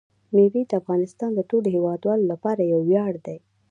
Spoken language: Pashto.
مېوې د افغانستان د ټولو هیوادوالو لپاره یو ویاړ دی.